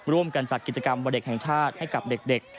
ร่วมกันจัดกิจกรรมวันเด็กแห่งชาติให้กับเด็ก